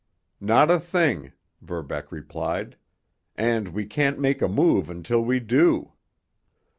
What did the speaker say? "Not a thing," Verbeck replied, "and we can't make a move until we do."